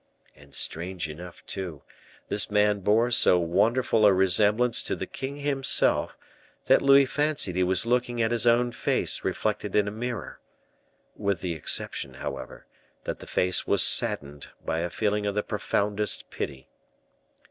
And strange enough, too, this man bore so wonderful a resemblance to the king himself, that Louis fancied he was looking at his own face reflected in a mirror; with the exception, however, that the face was saddened by a feeling of the profoundest pity.